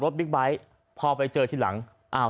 จังหวะเดี๋ยวจะให้ดูนะ